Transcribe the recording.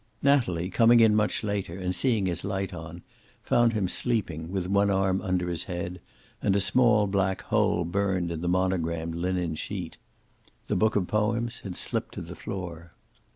Natalie, coming in much later and seeing his light still on, found him sleeping, with one arm under his head, and a small black hole burned in the monogrammed linen sheet. The book of poems had slipped to the floor.